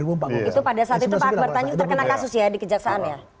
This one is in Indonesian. itu pada saat itu pak akbar tanjung terkena kasus ya di kejaksaan ya